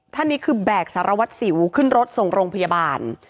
ท่านนี้คือแบกสารวัตรสิวขึ้นรถส่งโรงพยาบาล